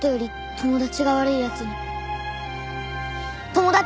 友達？